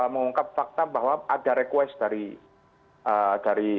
mengungkap fakta bahwa ada request dari